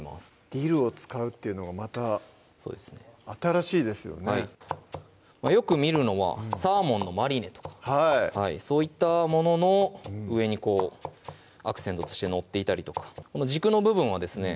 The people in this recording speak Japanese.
ディルを使うっていうのがまた新しいですよねよく見るのはサーモンのマリネとかそういったものの上にこうアクセントとして載っていたりとか軸の部分はですね